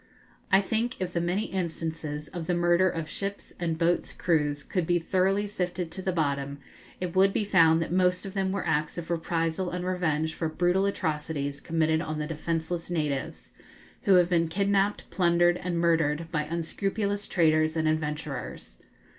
I think if the many instances of the murder of ships' and boats' crews could be thoroughly sifted to the bottom, it would be found that most of them were acts of reprisal and revenge for brutal atrocities committed on the defenceless natives, who have been kidnapped, plundered, and murdered by unscrupulous traders and adventurers.